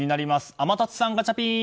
天達さん、ガチャピン！